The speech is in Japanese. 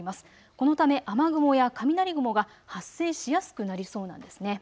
このため雨雲や雷雲が発生しやすくなりそうなんですね。